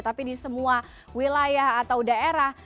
tapi di semua wilayah atau daerah